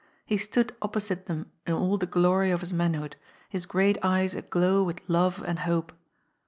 He stood opposite them in all the glory of his manhood, his great eyes aglow with love and hope.